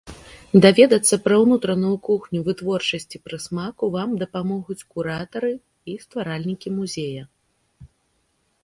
Даведацца пра ўнутраную кухню вытворчасці прысмаку вам дапамогуць куратары і стваральнікі музея.